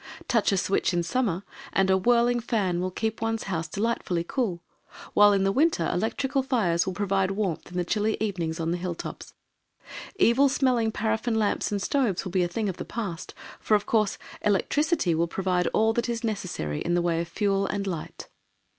Touch a switch in summer and a whirling fan will keep one's house delightfully cool, while in the winter electrical fires will provide warmth in the chilly evenings on the hill tops. Evil smelling paraffin lamps and stoves will be a thing of the past, for, of course, electricity will provide all that is necessary in the way of fuel and light.